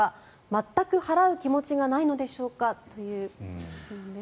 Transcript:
全く払う気持ちがないのでしょうかという質問です。